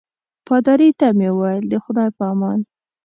پادري ته مې وویل د خدای په امان.